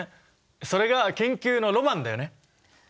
それが研究のロマンだよね。